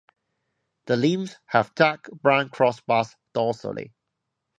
The limbs have dark brown crossbars dorsally.